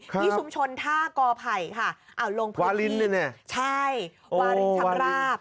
ที่สุมชนท่ากอภัยค่ะ